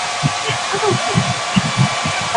扁刺蔷薇为蔷薇科蔷薇属下的一个变种。